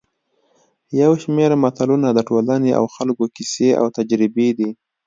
یو شمېر متلونه د ټولنې او خلکو کیسې او تجربې دي